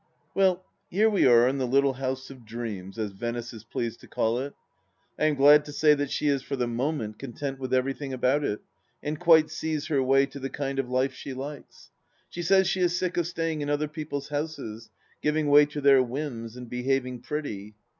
Well, here we are in the little house of dreams, as Venice is pleased to call it, I am glad to say that she is for the moment content with everything about it, and quite sees her way to the kind of life she likes. She says she is sick of staying in other people's houses, giving way to their whims and behaving " pretty."